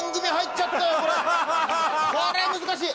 これ難しい！